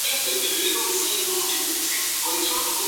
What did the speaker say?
La universidad está ubicada en el norte de Nicosia, Chipre del Norte.